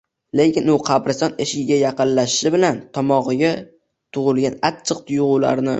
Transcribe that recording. Lekin u qabriston eshigiga yaqinlashishi bilan tomog'iga tugilgan achchiq tuyg'ularni